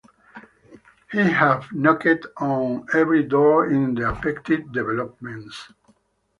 We have knocked on every door in the affected developments.